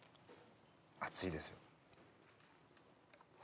熱いですよ。